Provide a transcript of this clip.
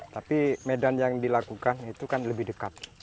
tapi medan yang dilakukan itu kan lebih dekat